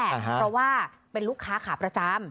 เพราะว่าเป็นลูกค้าขาประจำ